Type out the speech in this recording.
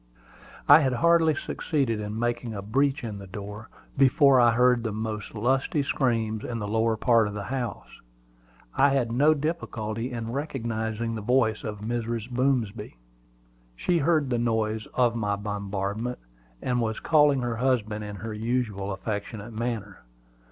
I had hardly succeeded in making a breach in the door, before I heard the most lusty screams in the lower part of the house. I had no difficulty in recognizing the voice of Mrs. Boomsby. She heard the noise of my bombardment, and was calling her husband in her usual affectionate manner.